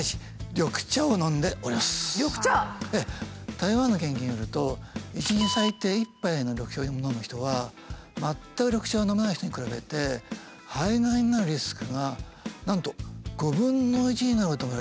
台湾の研究によると１日最低１杯の緑茶を飲む人は全く緑茶を飲まない人に比べて肺がんになるリスクがなんと５分の１になるともいわれてるんですよ。